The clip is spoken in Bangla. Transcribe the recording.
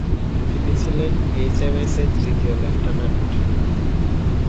তিনি ছিলেন এইচএমএস-এর তৃতীয় লেফটানান্ট।